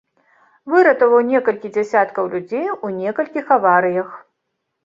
Выратаваў некалькі дзясяткаў людзей у некалькіх аварыях.